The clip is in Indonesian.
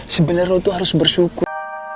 sebenernya lo tuh harus bersyukur